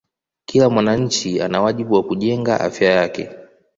Kila mwananchi ana wajibu wa kujenga Afya yake